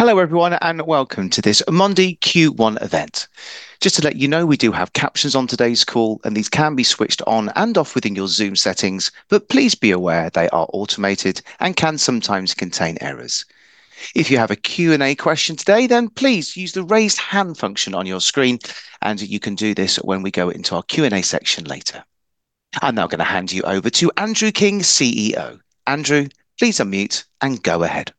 Hello, everyone, and welcome to this Mondi Q1 event. Just to let you know, we do have captions on today's call, and these can be switched on and off within your Zoom settings. Please be aware they are automated and can sometimes contain errors. If you have a Q&A question today, then please use the raise hand function on your screen, and you can do this when we go into our Q&A section later. I'm now going to hand you over to Andrew King, CEO. Andrew, please unmute and go ahead.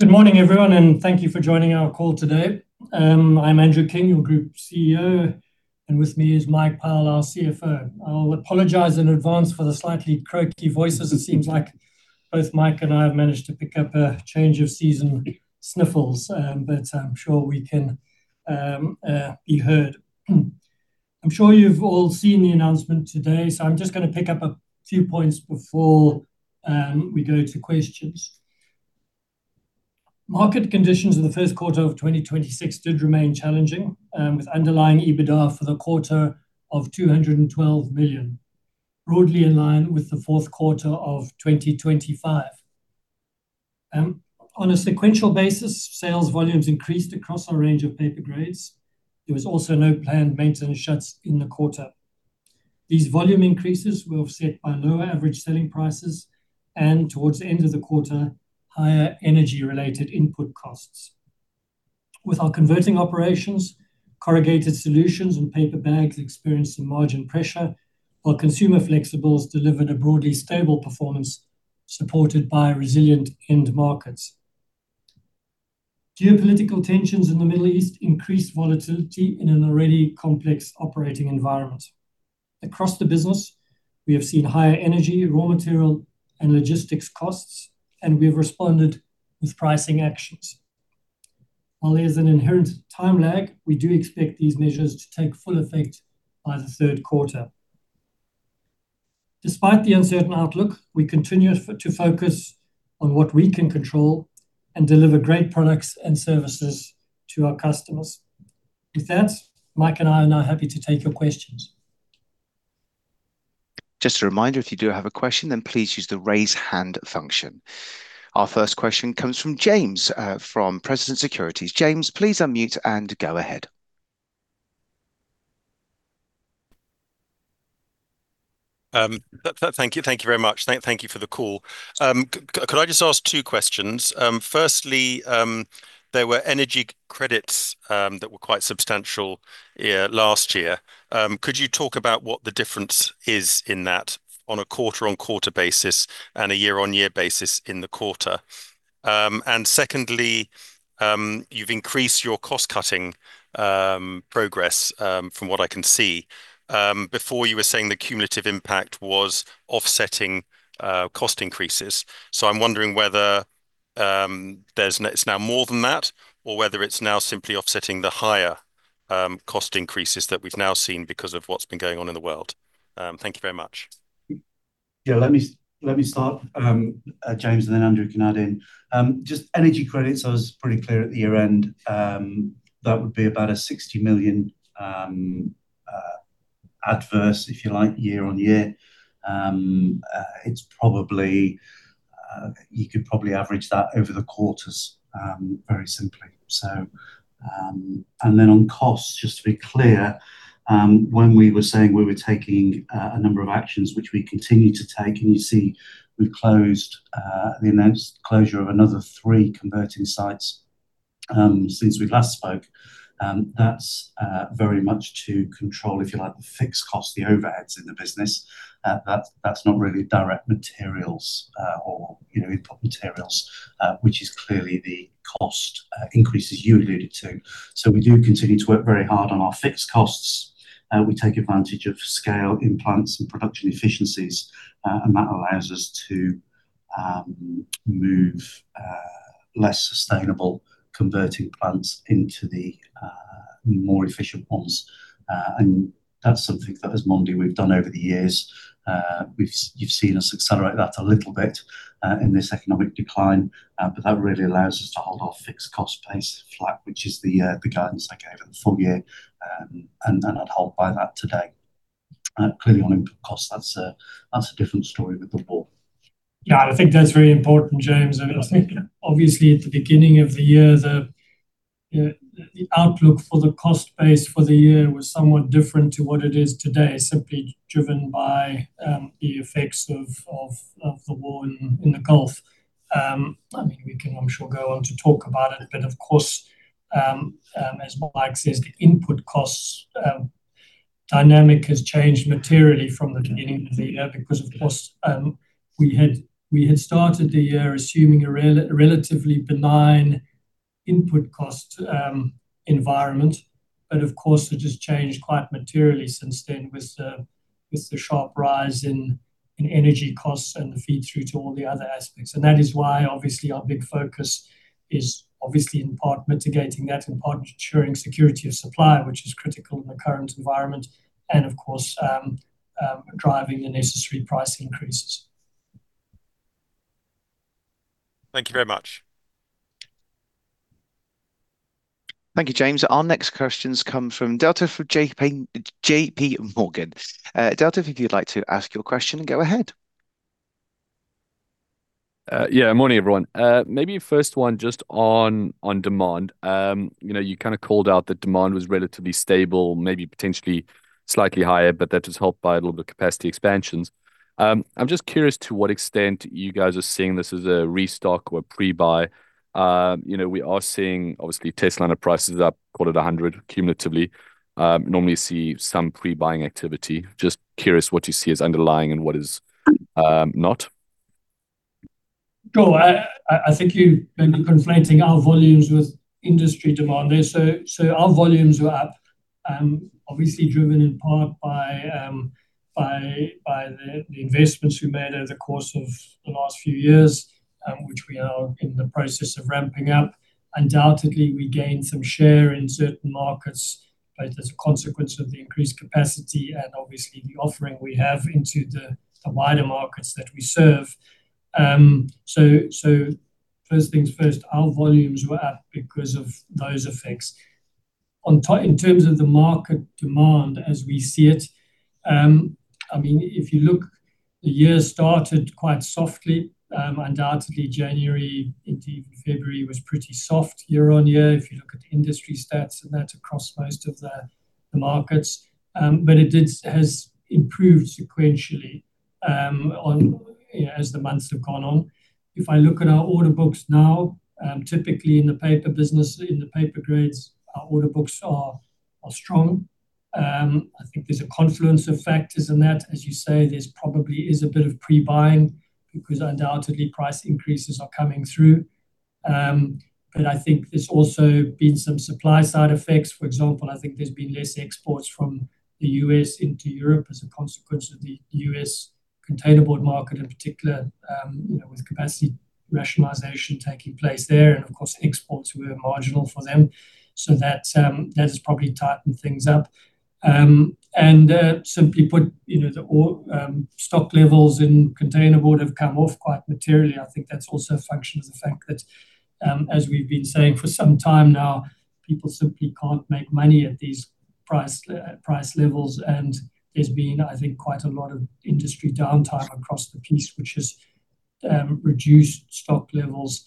Good morning, everyone, and thank you for joining our call today. I'm Andrew King, your Group CEO, and with me is Mike Powell, our CFO. I'll apologize in advance for the slightly croaky voices. It seems like both Mike and I have managed to pick up a change of season sniffles, but I'm sure we can be heard. I'm sure you've all seen the announcement today, so I'm just going to pick up a few points before we go to questions. Market conditions in the first quarter of 2026 did remain challenging, with underlying EBITDA for the quarter of 212 million, broadly in line with the fourth quarter of 2025. On a sequential basis, sales volumes increased across our range of paper grades. There was also no planned maintenance shutdowns in the quarter. These volume increases were offset by lower average selling prices and, towards the end of the quarter, higher energy related input costs. With our converting operations, corrugated solutions and paper bags experienced some margin pressure, while consumer flexibles delivered a broadly stable performance supported by resilient end markets. Geopolitical tensions in the Middle East increased volatility in an already complex operating environment. Across the business, we have seen higher energy, raw material, and logistics costs, and we've responded with pricing actions. While there's an inherent time lag, we do expect these measures to take full effect by the third quarter. Despite the uncertain outlook, we continue to focus on what we can control and deliver great products and services to our customers. With that, Mike and I are now happy to take your questions. Just a reminder, if you do have a question, then please use the raise hand function. Our first question comes from James, from Prescient Securities. James, please unmute and go ahead. Thank you. Thank you very much. Thank you for the call. Could I just ask two questions? Firstly, there were energy credits that were quite substantial last year. Could you talk about what the difference is in that on a quarter-on-quarter basis and a year-on-year basis in the quarter? Secondly, you've increased your cost cutting progress from what I can see. Before you were saying the cumulative impact was offsetting cost increases. I'm wondering whether it's now more than that or whether it's now simply offsetting the higher cost increases that we've now seen because of what's been going on in the world. Thank you very much. Yeah, let me start, James, and then Andrew can add in. Just energy credits, I was pretty clear at the year end, that would be about 60 million adverse, if you like, year-on-year. You could probably average that over the quarters very simply. Then on costs, just to be clear, when we were saying we were taking a number of actions, which we continue to take, and you see we've closed, we announced closure of another three converting sites, since we last spoke, that's very much to control, if you like, the fixed cost, the overheads in the business. That's not really direct materials or input materials, which is clearly the cost increases you alluded to. We do continue to work very hard on our fixed costs. We take advantage of scale in plants and production efficiencies. That allows us to move less sustainable converting plants into the more efficient ones. That's something that as Mondi we've done over the years. You've seen us accelerate that a little bit in this economic decline, but that really allows us to hold our fixed cost base flat, which is the guidance I gave at the full-year, and I'd hold by that today. Clearly on input costs, that's a different story with the war. Yeah, I think that's very important, James. I think obviously at the beginning of the year, the outlook for the cost base for the year was somewhat different to what it is today, simply driven by the effects of the war in the Gulf. We can, I'm sure, go on to talk about it, but of course, as Mike says, the input costs dynamic has changed materially from the beginning of the year because, of course, we had started the year assuming a relatively benign input cost environment. Of course, it has changed quite materially since then with the sharp rise in energy costs and the feed-through to all the other aspects. That is why, obviously, our big focus is obviously in part mitigating that, in part ensuring security of supply, which is critical in the current environment, and of course, driving the necessary price increases. Thank you very much. Thank you, James. Our next questions come from Detlef for JPMorgan. Detlef, if you'd like to ask your question, go ahead. Yeah. Morning, everyone. Maybe first one just on demand. You called out that demand was relatively stable, maybe potentially slightly higher, but that was helped by a little bit of capacity expansions. I'm just curious to what extent you guys are seeing this as a restock or pre-buy. We are seeing, obviously, testliner prices up, call it 100 cumulatively. Normally see some pre-buying activity. Just curious what you see as underlying and what is not. Sure. I think you may be conflating our volumes with industry demand there. Our volumes were up, obviously driven in part by the investments we made over the course of the last few years, which we are now in the process of ramping-up. Undoubtedly, we gained some share in certain markets, both as a consequence of the increased capacity and obviously the offering we have into the wider markets that we serve. First things first, our volumes were up because of those effects. In terms of the market demand as we see it, if you look, the year started quite softly. Undoubtedly, January into February was pretty soft year-on-year, if you look at industry stats, and that's across most of the markets. It has improved sequentially as the months have gone on. If I look at our order books now, typically in the paper business, in the paper grades, our order books are strong. I think there's a confluence of factors in that. As you say, there's probably a bit of pre-buying because undoubtedly price increases are coming through. But I think there's also been some supply side effects. For example, I think there's been less exports from the U.S. into Europe as a consequence of the U.S. containerboard market in particular, with capacity rationalization taking place there, and of course, exports were marginal for them. So that has probably tightened things up. Simply put, the stock levels in containerboard have come off quite materially. I think that's also a function of the fact that, as we've been saying for some time now, people simply can't make money at these price levels, and there's been, I think, quite a lot of industry downtime across the piece, which has reduced stock levels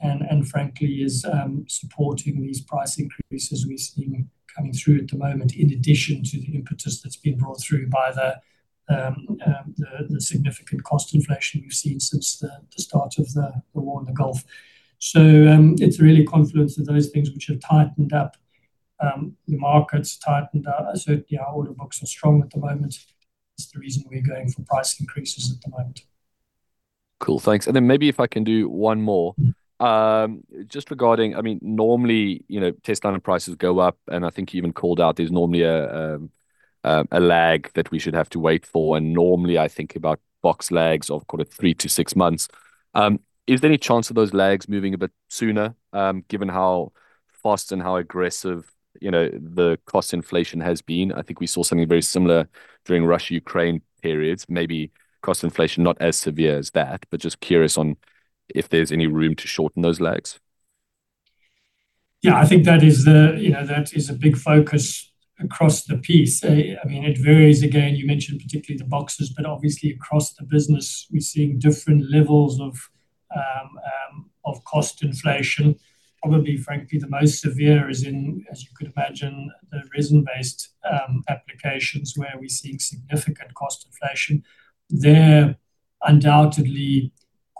and frankly is supporting these price increases we're seeing coming through at the moment, in addition to the impetus that's been brought through by the significant cost inflation we've seen since the start of the war in the Gulf. It's really a confluence of those things which have tightened up. The market's tightened up. Yeah, our order books are strong at the moment. It's the reason we're going for price increases at the moment. Cool, thanks. Maybe if I can do one more. Just regarding, normally, testliner prices go up and I think you even called out there's normally a lag that we should have to wait for, and normally I think about box lags of, call it three-six months. Is there any chance of those lags moving a bit sooner, given how fast and how aggressive the cost inflation has been? I think we saw something very similar during Russia-Ukraine periods, maybe cost inflation not as severe as that, but just curious on if there's any room to shorten those lags. Yeah, I think that is a big focus across the piece. It varies, again, you mentioned particularly the boxes, but obviously across the business we're seeing different levels of cost inflation. Probably, frankly, the most severe is in, as you could imagine, the resin-based applications where we're seeing significant cost inflation. There, undoubtedly,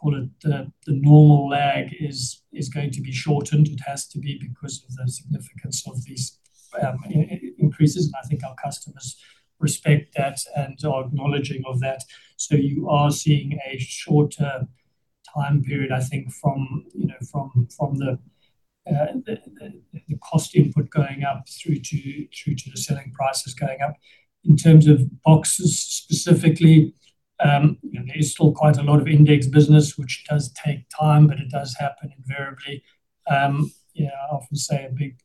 call it the normal lag is going to be shortened. It has to be because of the significance of these increases, and I think our customers respect that and are acknowledging of that. So you are seeing a shorter time period, I think, from the cost input going up through to the selling prices going up. In terms of boxes specifically, there is still quite a lot of index business, which does take time, but it does happen invariably. I often say a big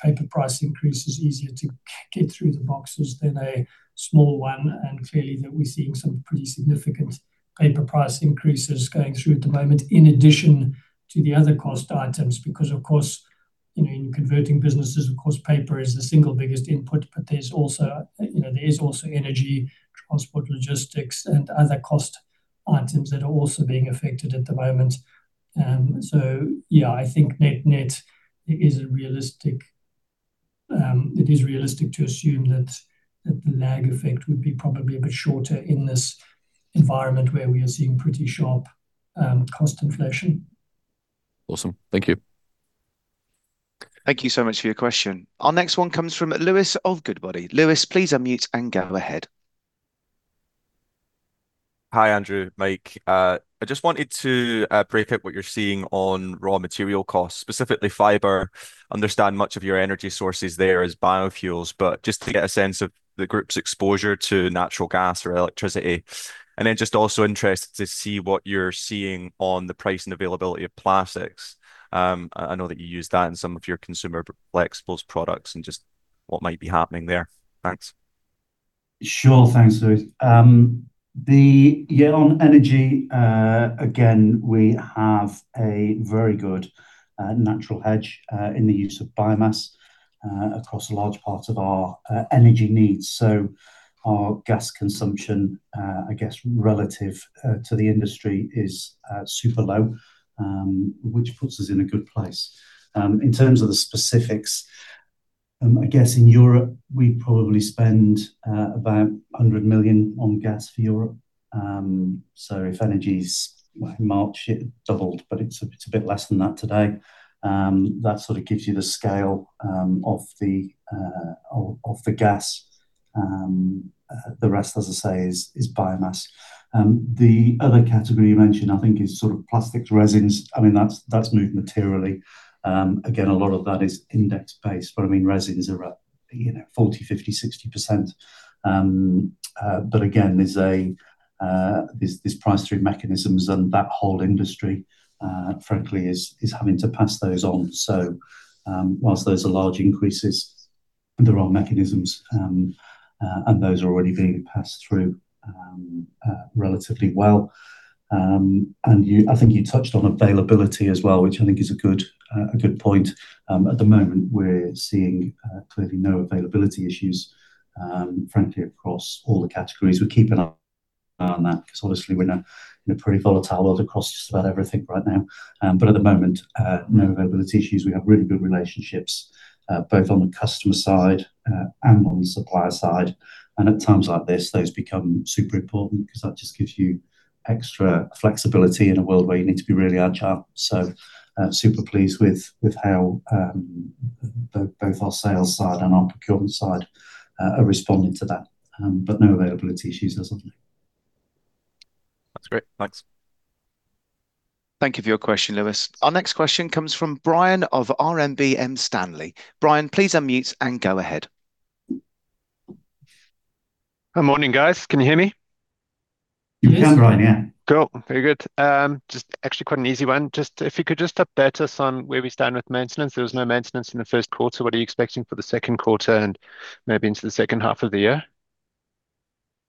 paper price increase is easier to get through the boxes than a small one, and clearly that we're seeing some pretty significant paper price increases going through at the moment in addition to the other cost items. Because, of course, in converting businesses, of course, paper is the single biggest input, but there is also energy, transport, logistics, and other cost items that are also being affected at the moment. Yeah, I think net-net, it is realistic to assume that the lag effect would be probably a bit shorter in this environment where we are seeing pretty sharp cost inflation. Awesome. Thank you. Thank you so much for your question. Our next one comes from Lewis of Goodbody. Lewis, please unmute and go ahead. Hi, Andrew, Mike. I just wanted to break out what you're seeing on raw material costs, specifically fiber. I understand much of your energy source is there as biofuels, but just to get a sense of the group's exposure to natural gas or electricity. Just also interested to see what you're seeing on the price and availability of plastics. I know that you use that in some of your consumer flexibles products and just what might be happening there. Thanks. Sure. Thanks, Lewis. Yeah, on energy, again, we have a very good natural hedge in the use of biomass across large parts of our energy needs. Our gas consumption, I guess, relative to the industry is super low, which puts us in a good place. In terms of the specifics, I guess in Europe, we probably spend about 100 million on gas for Europe. If energy prices in March, it doubled, but it's a bit less than that today. That sort of gives you the scale of the gas. The rest, as I say, is biomass. The other category you mentioned, I think, is sort of plastics resins. That's moved materially. Again, a lot of that is index-based, but resins are up 40%, 50%, 60%. Again, there's pass-through mechanisms and that whole industry, frankly, is having to pass those on. While those are large increases, there are mechanisms, and those are already being passed through relatively well. I think you touched on availability as well, which I think is a good point. At the moment, we're seeing clearly no availability issues, frankly, across all the categories. We're keeping an eye on that because obviously we're in a pretty volatile world across just about everything right now. At the moment, no availability issues. We have really good relationships both on the customer side and on the supplier side. At times like this, those become super important because that just gives you extra flexibility in a world where you need to be really agile. Super pleased with how both our sales side and our procurement side are responding to that. No availability issues as of now. That's great. Thanks. Thank you for your question, Lewis. Our next question comes from Brian of RMB Morgan Stanley. Brian, please unmute and go ahead. Good morning, guys. Can you hear me? We can, Brian. Yeah. Cool. Very good. Just actually quite an easy one. Just if you could just update us on where we stand with maintenance. There was no maintenance in the first quarter. What are you expecting for the second quarter and maybe into the second half of the year?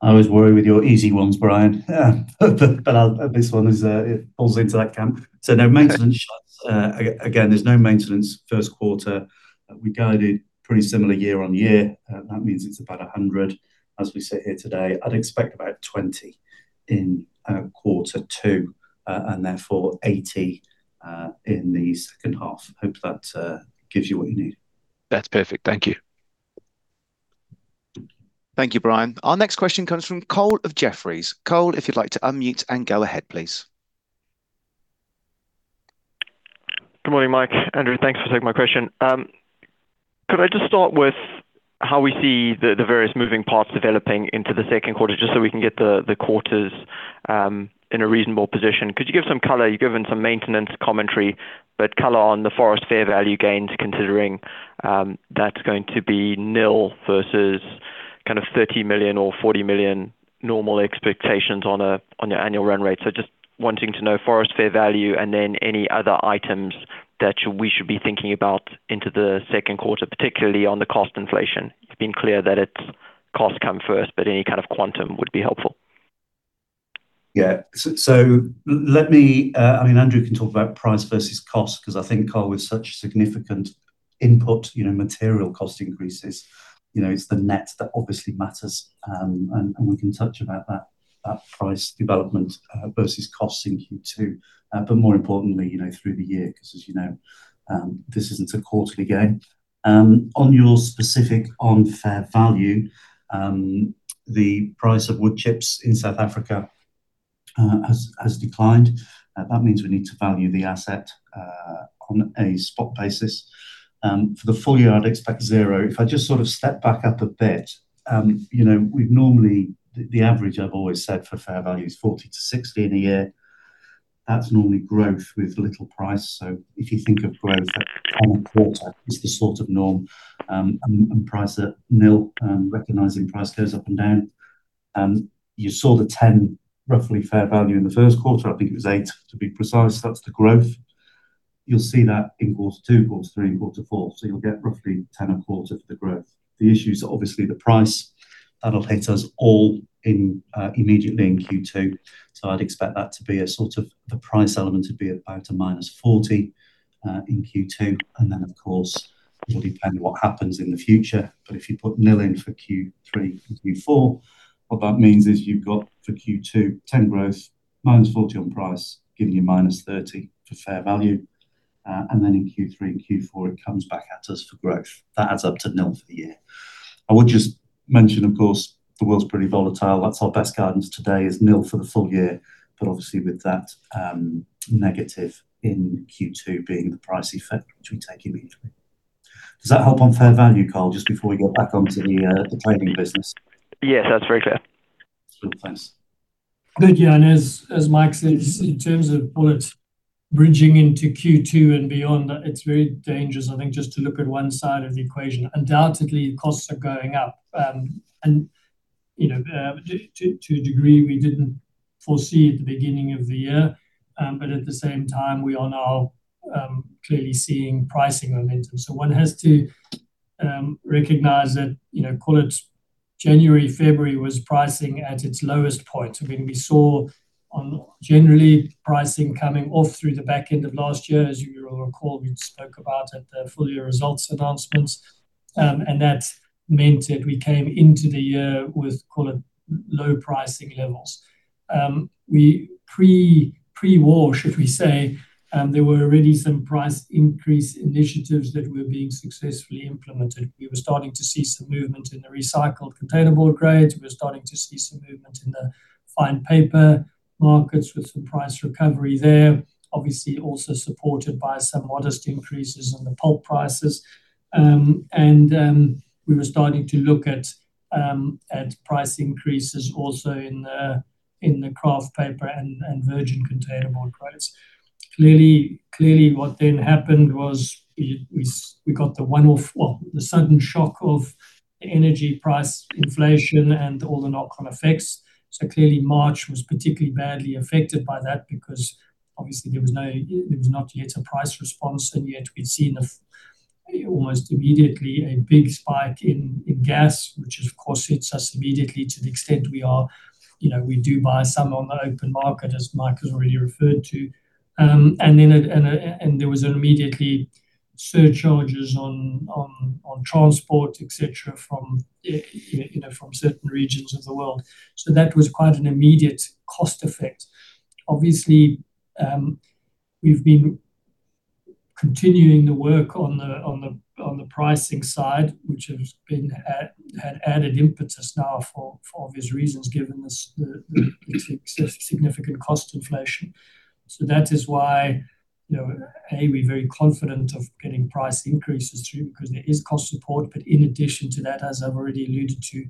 I always worry with your easy ones, Brian, but this one, it falls into that camp. No maintenance shuts. Again, there's no maintenance first quarter. We guided pretty similar year-on-year. That means it's about 100 as we sit here today. I'd expect about 20 in quarter two, and therefore 80 in the second half. Hope that gives you what you need. That's perfect. Thank you. Thank you, Brian. Our next question comes from Cole of Jefferies. Cole, if you'd like to unmute and go ahead, please. Good morning, Mike, Andrew. Thanks for taking my question. Could I just start with how we see the various moving parts developing into the second quarter, just so we can get the quarters in a reasonable position? Could you give some color? You've given some maintenance commentary, but color on the forest fair value gains, considering that's going to be nil versus kind of 30 million or 40 million normal expectations on your annual run-rate. Just wanting to know forest fair value and then any other items that we should be thinking about into the second quarter, particularly on the cost inflation. It's been clear that its costs come first, but any kind of quantum would be helpful. Yeah. Andrew can talk about price versus cost, because I think, Cole, with such significant input, material cost increases, it's the net that obviously matters. We can touch about that price development versus costs in Q2, but more importantly through the year, because as you know, this isn't a quarterly game. On your specific on fair value, the price of wood chips in South Africa has declined. That means we need to value the asset on a spot basis. For the full-year, I'd expect 0. If I just sort of step back up a bit, we've normally, the average I've always said for fair value is 40-60 in a year. That's normally growth with little price. If you think of growth on a quarter is the sort of norm, and price at nil, recognizing price goes up and down. You saw the 10 roughly fair value in the first quarter. I think it was 8 to be precise. That's the growth. You'll see that in quarter two, quarter three, and quarter four. You'll get roughly 10 a quarter for the growth. The issue is obviously the price. That'll hit us all immediately in Q2. I'd expect that to be a sort of the price element would be about a -40, in Q2, and then of course, it will depend what happens in the future. If you put nil in for Q3 and Q4, what that means is you've got for Q2, 10 growth, -40 on price, giving you -30 for fair value. Then in Q3 and Q4, it comes back at us for growth. That adds up to nil for the year. I would just mention, of course, the world's pretty volatile. That's our best guidance today is nil for the full-year, but obviously with that negative in Q2 being the price effect, which we take immediately. Does that help on fair value, Cole, just before we get back onto the trading business? Yes, that's very clear. Cool. Thanks. Good. Yeah. As Mike says, in terms of what's bridging into Q2 and beyond, it's very dangerous, I think, just to look at one side of the equation. Undoubtedly, costs are going up to a degree we didn't foresee at the beginning of the year. At the same time, we are now clearly seeing pricing momentum. One has to recognize that, call it January, February, was pricing at its lowest point. We saw generally pricing coming off through the back end of last year, as you will recall, we spoke about at the full-year results announcements, and that meant that we came into the year with low pricing levels. Pre-war, should we say, there were already some price increase initiatives that were being successfully implemented. We were starting to see some movement in the recycled containerboard grades. We were starting to see some movement in the fine paper markets with some price recovery there. Obviously, also supported by some modest increases in the pulp prices. We were starting to look at price increases also in the kraft paper and virgin containerboard grades. Clearly, what then happened was we got the one-off, well, the sudden shock of energy price inflation and all the knock-on effects. Clearly March was particularly badly affected by that because obviously there was not yet a price response, and yet we'd seen almost immediately a big spike in gas, which of course hits us immediately to the extent we do buy some on the open market, as Mike has already referred to. There was immediately surcharges on transport, etc, from certain regions of the world. That was quite an immediate cost effect. Obviously, we've been continuing the work on the pricing side, which has had added impetus now for obvious reasons, given the significant cost inflation. That is why, A, we're very confident of getting price increases through because there is cost support. In addition to that, as I've already alluded to,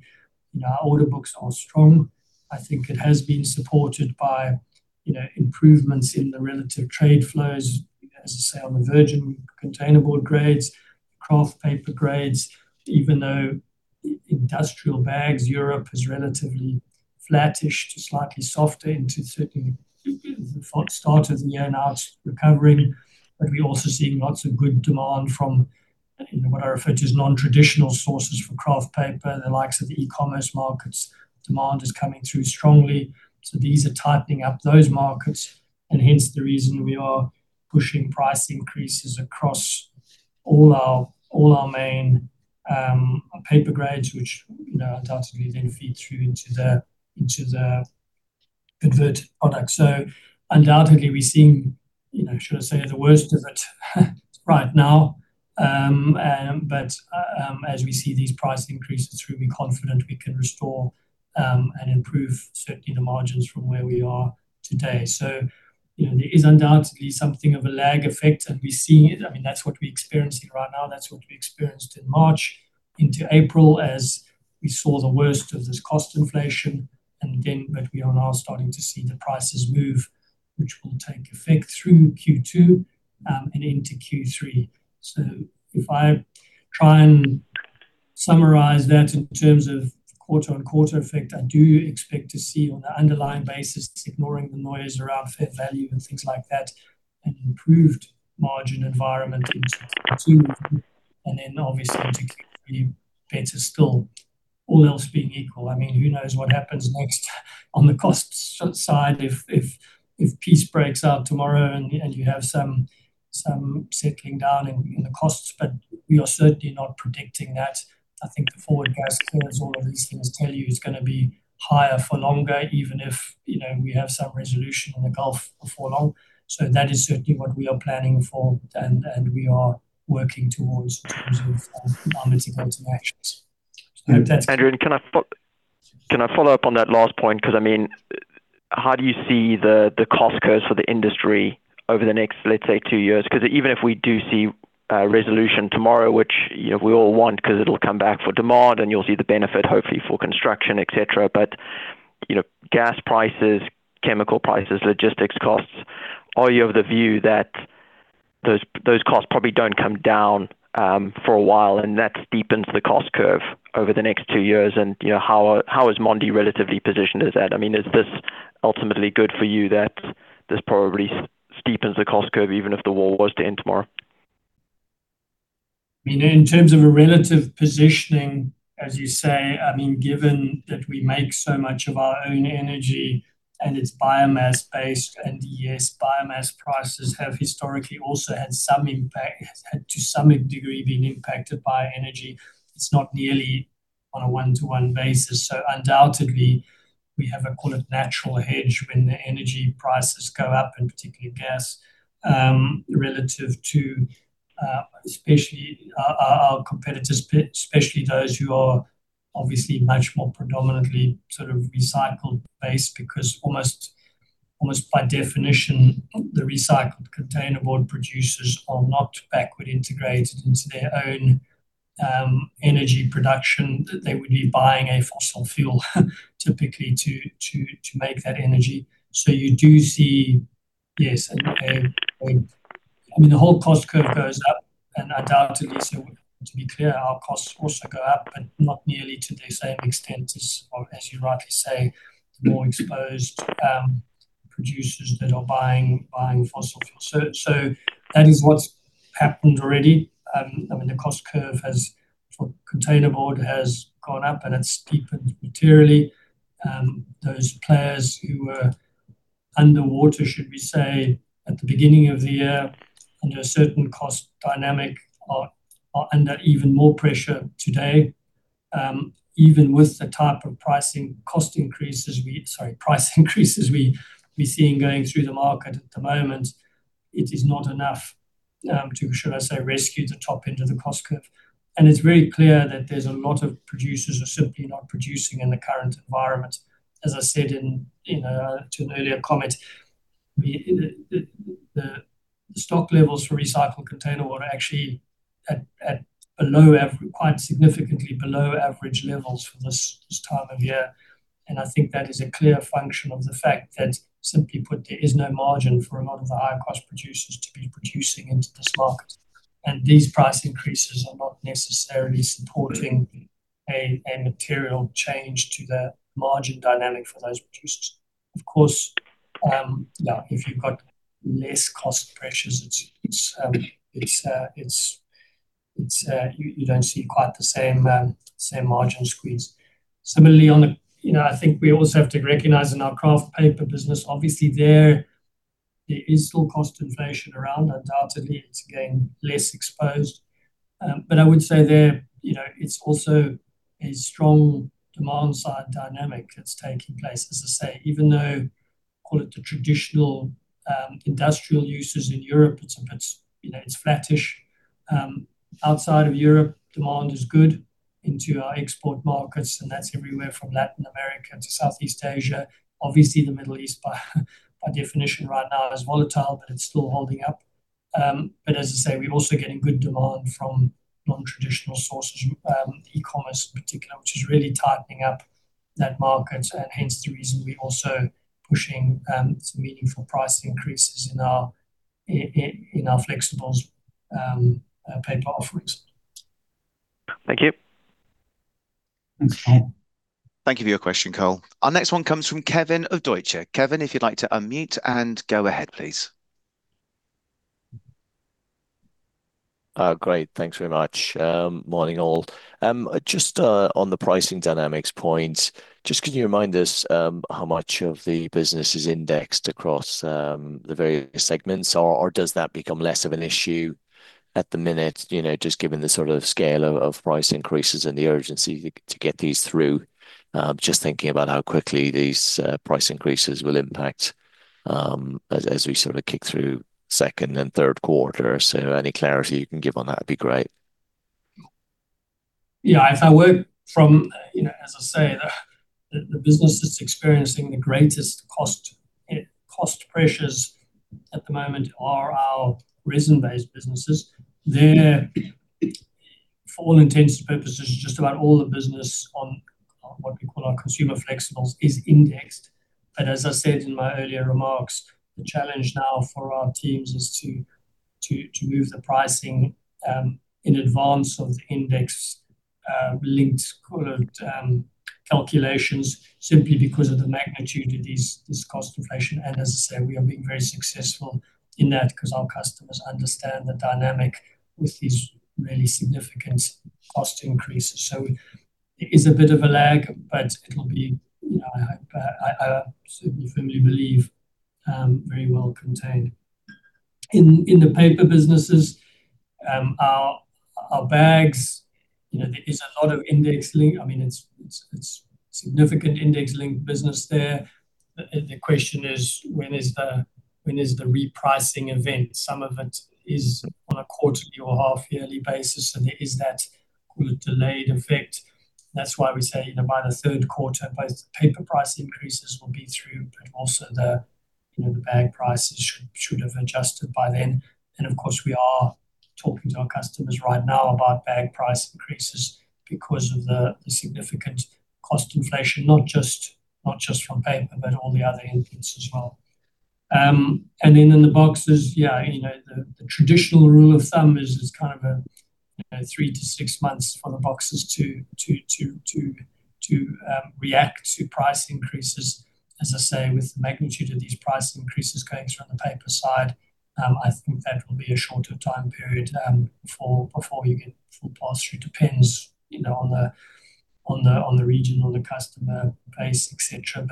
our order books are strong. I think it has been supported by improvements in the relative trade flows, as I say, on the virgin containerboard grades, kraft paper grades, even though industrial bags Europe is relatively flattish to slightly softer into certainly the start of the year, now it's recovering. We're also seeing lots of good demand from what I refer to as non-traditional sources for kraft paper, the likes of the e-commerce markets, demand is coming through strongly. These are tightening up those markets and hence the reason we are pushing price increases across all our main paper grades, which undoubtedly then feed through into the converted products. Undoubtedly, we're seeing, should I say, the worst of it right now. As we see these price increases through, we're confident we can restore, and improve certainly the margins from where we are today. There is undoubtedly something of a lag effect and we're seeing it. That's what we're experiencing right now. That's what we experienced in March into April as we saw the worst of this cost inflation. We are now starting to see the prices move, which will take effect through Q2, and into Q3. If I try and summarize that in terms of quarter-on-quarter effect, I do expect to see on an underlying basis, ignoring the noise around fair value and things like that, an improved margin environment in 2022. Obviously to keep the better still, all else being equal, who knows what happens next on the cost side if peace breaks out tomorrow and you have some settling down in the costs, but we are certainly not predicting that. I think the forward price curves, all of these things tell you it's going to be higher for longer, even if we have some resolution on the Gulf before long. That is certainly what we are planning for and we are working towards in terms of balancing those interactions. Andrew, can I follow-up on that last point? How do you see the cost curves for the industry over the next, let's say, two years? Even if we do see a resolution tomorrow, which we all want because it'll come back for demand and you'll see the benefit hopefully for construction, etc. Gas prices, chemical prices, logistics costs, are you of the view that those costs probably don't come down for a while and that steepens the cost curve over the next two years? How is Mondi relatively positioned as at? Is this ultimately good for you that this probably steepens the cost curve even if the war was to end tomorrow? In terms of a relative positioning, as you say, given that we make so much of our own energy and it's biomass-based, and yes, biomass prices have historically also had some impact, has had to some degree been impacted by energy. It's not nearly on a one-to-one basis. Undoubtedly, we have a, call it, natural hedge when the energy prices go up, and particularly gas, relative to especially our competitors, especially those who are obviously much more predominantly recycled-based because almost by definition, the recycled containerboard producers are not backward integrated into their own energy production, that they would be buying a fossil fuel typically to make that energy. You do see, yes, I mean, the whole cost curve goes up undoubtedly. To be clear, our costs also go up, but not nearly to the same extent as you rightly say, the more exposed producers that are buying fossil fuel. That is what's happened already. I mean, the cost curve for containerboard has gone up and it's deepened materially. Those players who were underwater, should we say, at the beginning of the year under a certain cost dynamic, are under even more pressure today. Even with the type of price increases we're seeing going through the market at the moment, it is not enough to, should I say, rescue the top end of the cost curve. It's very clear that there's a lot of producers who are simply not producing in the current environment. As I said to an earlier comment, the stock levels for recycled containerboard are actually quite significantly below average levels for this time of year. I think that is a clear function of the fact that, simply put, there is no margin for a lot of the higher cost producers to be producing into this market. These price increases are not necessarily supporting a material change to the margin dynamic for those producers. Of course, now, if you've got less cost pressures, you don't see quite the same margin squeeze. Similarly, I think we also have to recognize in our kraft paper business, obviously there is still cost inflation around, undoubtedly it's, again, less exposed. I would say there, it's also a strong demand side dynamic that's taking place. As I say, even though, call it the traditional industrial users in Europe, it's flattish. Outside of Europe, demand is good into our export markets and that's everywhere from Latin America to Southeast Asia. Obviously the Middle East by definition right now is volatile, but it's still holding up. As I say, we're also getting good demand from non-traditional sources, e-commerce in particular, which is really tightening up that market and hence the reason we're also pushing some meaningful price increases in our flexibles paper offerings. Thank you. Thanks. Thank you for your question, Cole. Our next one comes from Kevin of Deutsche. Kevin, if you'd like to unmute and go ahead, please. Great, thanks very much. Morning, all. Just on the pricing dynamics point, just can you remind us how much of the business is indexed across the various segments? Or does that become less of an issue at the minute, just given the sort of scale of price increases and the urgency to get these through? Just thinking about how quickly these price increases will impact, as we sort of kick through second and third quarter. Any clarity you can give on that would be great. Yeah. If I work from, as I say, the businesses experiencing the greatest cost pressures at the moment are our resin-based businesses. There, for all intents and purposes, just about all the business on what we call our consumer flexibles is indexed. But as I said in my earlier remarks, the challenge now for our teams is to move the pricing in advance of index-linked calculations simply because of the magnitude of this cost inflation. And as I say, we are being very successful in that because our customers understand the dynamic with these really significant cost increases. So it is a bit of a lag, but it'll be, I certainly firmly believe, very well contained. In the paper businesses, our bags, there is a lot of index-linked. I mean, it's significant index-linked business there. The question is: when is the repricing event? Some of it is on a quarterly or half-yearly basis, and there is that delayed effect. That's why we say by the third quarter, both the paper price increases will be through, but also the bag prices should have adjusted by then. Of course, we are talking to our customers right now about bag price increases because of the significant cost inflation, not just from paper, but all the other inputs as well. In the boxes, yeah, the traditional rule of thumb is, it's kind of a three-six months for the boxes to react to price increases. As I say, with the magnitude of these price increases going through on the paper side, I think that will be a shorter-time period, before you get full pass-through. Depends on the region, on the customer base, etc.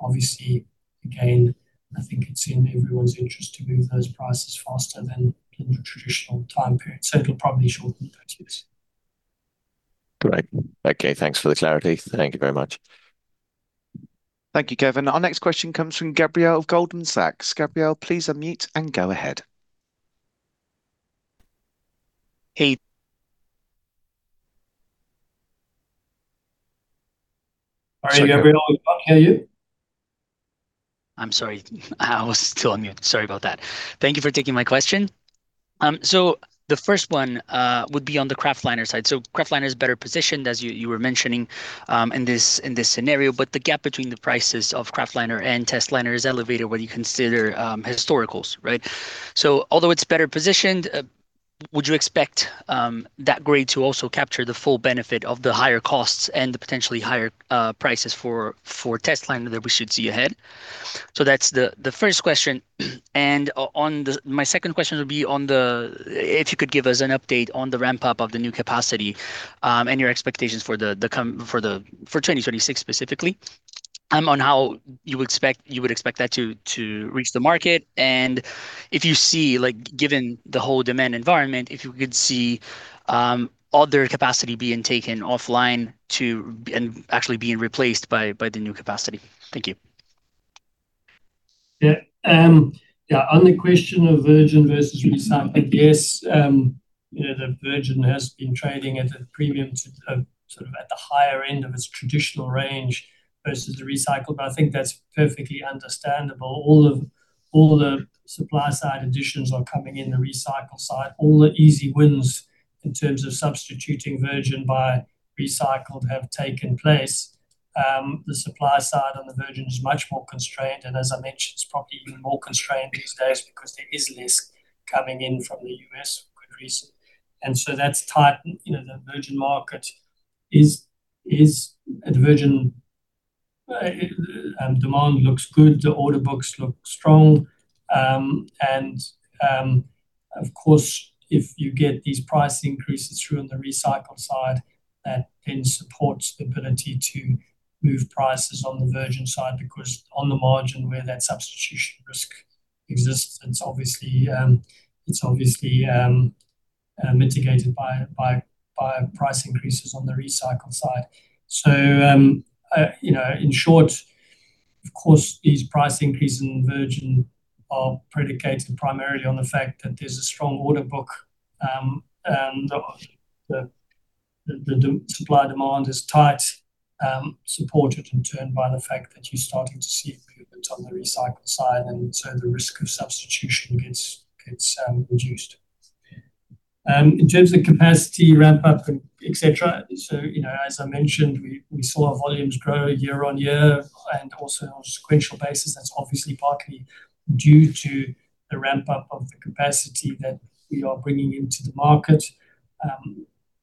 Obviously, again, I think it's in everyone's interest to move those prices faster than the traditional time period. It'll probably be shorter than that, yes. Great. Okay, thanks for the clarity. Thank you very much. Thank you, Kevin. Our next question comes from Gabrielle of Goldman Sachs. Gabrielle, please unmute and go ahead. Sorry, Gabrielle, can you hear me? I'm sorry. I was still on mute. Sorry about that. Thank you for taking my question. The first one would be on the kraftliner side. Kraftliner is better positioned, as you were mentioning in this scenario, but the gap between the prices of kraftliner and testliner is elevated when you consider historical, right? Although it's better positioned, would you expect that grade to also capture the full benefit of the higher costs and the potentially higher prices for testliner that we should see ahead? That's the first question. My second question would be, if you could give us an update on the ramp-up of the new capacity and your expectations for 2026 specifically, on how you would expect that to reach the market, and if you see, given the whole demand environment, if you could see other capacity being taken offline and actually being replaced by the new capacity. Thank you. Yeah. On the question of virgin versus recycled, yes, the virgin has been trading at a premium, sort of at the higher end of its traditional range versus the recycled, but I think that's perfectly understandable. All of the supply-side additions are coming in the recycled side. All the easy wins in terms of substituting virgin by recycled have taken place. The supply side on the virgin is much more constrained, and as I mentioned, it's probably even more constrained these days because there is less coming in from the U.S. for good reason. That's tightened. The virgin demand looks good, the order books look strong. Of course, if you get these price increases through on the recycled side, that then supports the ability to move prices on the virgin side, because on the margin where that substitution risk exists, it's obviously mitigated by price increases on the recycled side. In short, of course, these price increases in virgin are predicated primarily on the fact that there's a strong order book and the supply-demand is tight, supported in turn by the fact that you're starting to see movement on the recycled side and so the risk of substitution gets reduced. In terms of capacity ramp-up, etc. As I mentioned, we saw our volumes grow year-on-year and also on a sequential basis. That's obviously partly due to the ramp-up of the capacity that we are bringing into the market.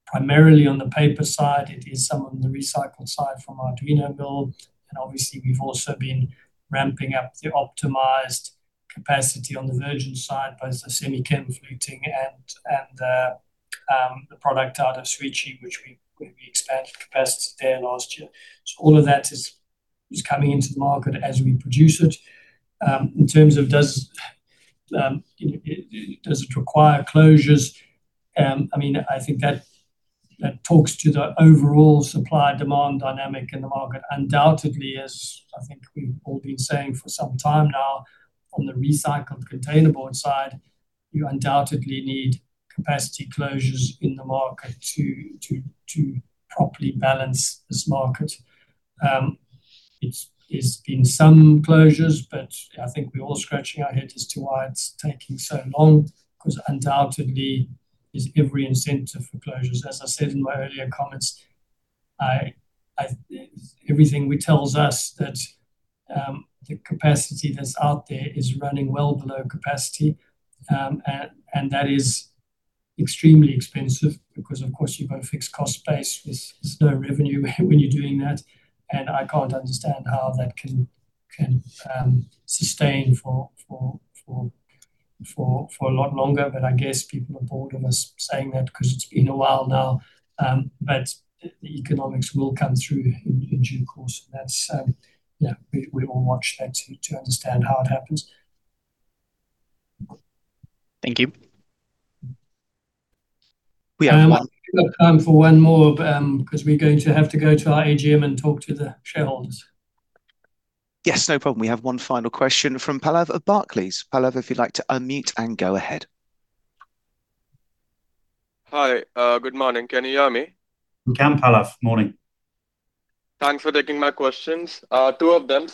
Primarily on the paper side, it is some on the recycled side from our Świecie build. Obviously, we've also been ramping-up the optimized capacity on the virgin side, both the semi-chemical fluting and the product out of Świecie, which we expanded capacity there last year. All of that is coming into the market as we produce it. In terms of does it require closures, I think that talks to the overall supply-demand dynamic in the market. Undoubtedly, as I think we've all been saying for some time now, on the recycled containerboard side, you undoubtedly need capacity closures in the market to properly balance this market. It's been some closures, but I think we're all scratching our heads as to why it's taking so long, because undoubtedly there's every incentive for closures. As I said in my earlier comments, everything tells us that the capacity that's out there is running well below capacity, and that is extremely expensive because, of course, you've got a fixed cost base with no revenue when you're doing that. I can't understand how that can sustain for a lot longer, but I guess people are bored of us saying that because it's been a while now. The economics will come through in due course, and that's. We all watch that to understand how it happens. Thank you. We've got time for one more, because we're going to have to go to our AGM and talk to the shareholders. Yes, no problem. We have one final question from Pallav of Barclays. Pallav, if you'd like to unmute and go ahead. Hi. Good morning. Can you hear me? We can, Pallav. Morning. Thanks for taking my questions, two of them.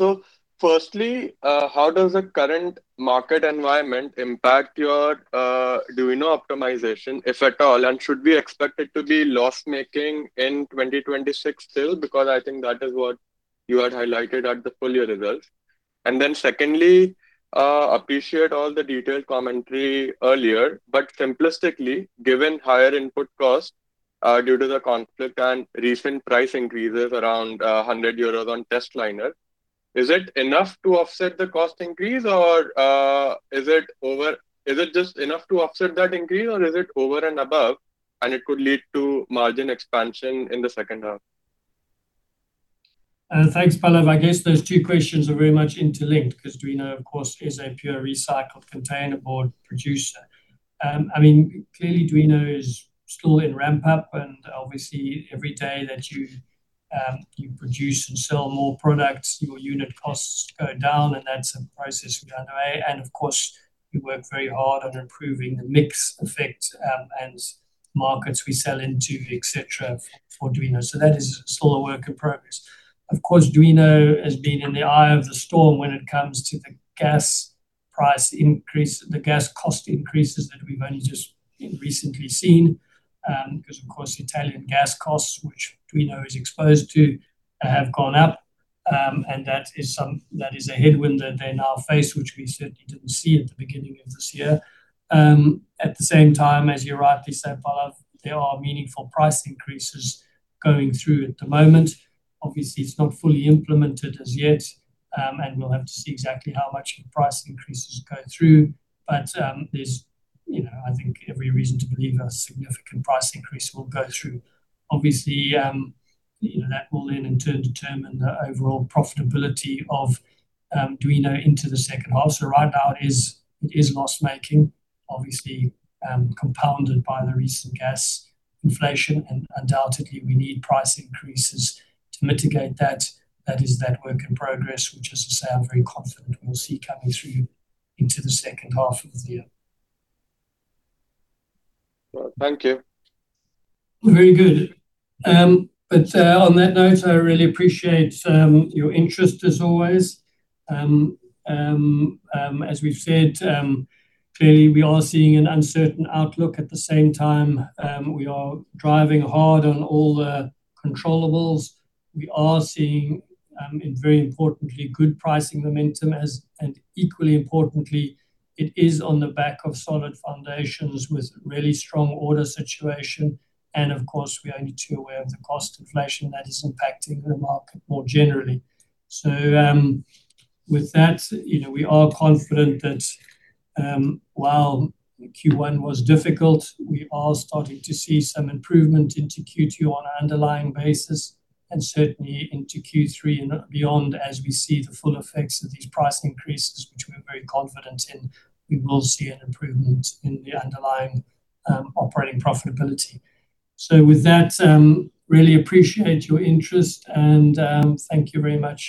Firstly, how does the current market environment impact your Duino optimization, if at all, and should we expect it to be loss-making in 2026 still? Because I think that is what you had highlighted at the full year results. Secondly, appreciate all the detailed commentary earlier, but simplistically, given higher input costs due to the conflict and recent price increases around 100 euros on testliner, is it enough to offset the cost increase, or is it just enough to offset that increase, or is it over and above and it could lead to margin expansion in the second half? Thanks, Pallav. I guess those two questions are very much interlinked because Duino, of course, is a pure recycled containerboard producer. Clearly, Duino is still in ramp-up, and obviously, every day that you produce and sell more products, your unit costs go down, and that's a process we know. Of course, we work very hard on improving the mix effect and markets we sell into, etc, for Duino. That is still a work in progress. Of course, Duino has been in the eye of the storm when it comes to the gas price increase, the gas cost increases that we've only just recently seen, because, of course, Italian gas costs, which Duino is exposed to, have gone up. That is a headwind that they now face, which we certainly didn't see at the beginning of this year. At the same time, as you rightly say, Pallav, there are meaningful price increases going through at the moment. Obviously, it's not fully implemented as yet, and we'll have to see exactly how much of the price increases go through. There's, I think, every reason to believe a significant price increase will go through. Obviously, that will then in turn determine the overall profitability of Duino into the second half. Right now it is loss-making, obviously, compounded by the recent gas inflation, and undoubtedly we need price increases to mitigate that. That is work in progress, which, as I say, I'm very confident we'll see coming through into the second half of the year. Right. Thank you. Very good. On that note, I really appreciate your interest as always. As we've said, clearly we are seeing an uncertain outlook. At the same time, we are driving hard on all the controllables. We are seeing, very importantly, good pricing momentum and equally importantly, it is on the back of solid foundations with really strong order situation. Of course, we are only too aware of the cost inflation that is impacting the market more generally. With that, we are confident that while Q1 was difficult, we are starting to see some improvement into Q2 on an underlying basis, and certainly into Q3 and beyond as we see the full effects of these price increases, which we're very confident in, we will see an improvement in the underlying operating profitability. With that, I really appreciate your interest and thank you very much.